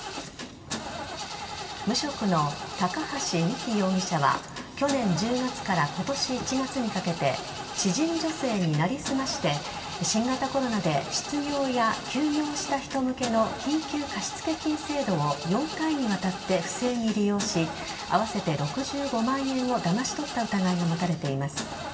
無職の高橋実希容疑者は去年１０月から今年１月にかけて知人女性になりすまして新型コロナで失業や休業した人向けの緊急貸付金制度を４回にわたって不正に利用しあわせて６５万円をだまし取った疑いが持たれています。